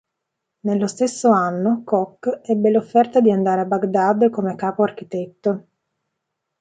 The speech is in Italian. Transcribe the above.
Nello stesso anno, Koch ebbe l'offerta di andare a Bagdad come capo architetto.